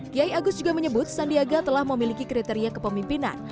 kiai agus juga menyebut sandiaga telah memiliki kriteria kepemimpinan